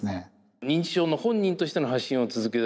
認知症の本人としての発信を続け